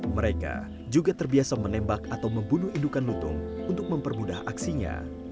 mereka juga terbiasa menembak atau membunuh indukan lutung untuk mempermudah aksinya